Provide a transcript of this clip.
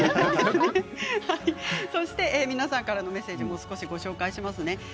そして、皆さんからのメッセージもご紹介します。